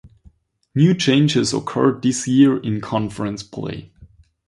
New changes occurred this year in conference play.